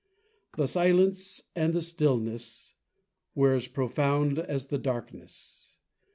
The silence and the stillness were as profound as the darkness.